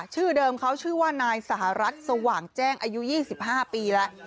ชื่อเดิมเขาชื่อว่านายสหรัฐสว่างแจ้งอายุ๒๕ปีแล้ว